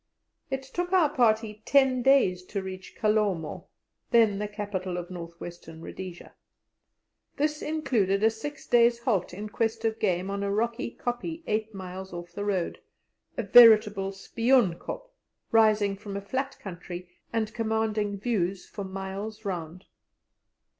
It took our party ten days to reach Kalomo, then the capital of North Western Rhodesia. This included a six days' halt in quest of game on a rocky kopje eight miles off the road a veritable Spion Kop, rising from a flat country and commanding views for miles round.